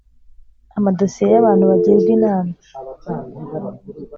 amadosiye y’abantu bagirwa inama,